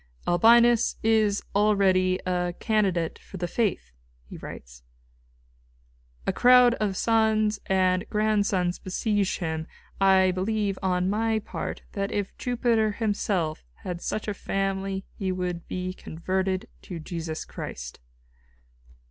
"Albinus is already a candidate for the faith," he writes, "a crowd of sons and grandsons besiege him. I believe, on my part, that if Jupiter himself had such a family he would be converted to Jesus Christ."